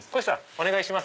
お願いします。